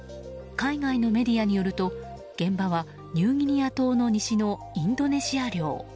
海外のメディアによると現場はニューギニア島の西のインドネシア領。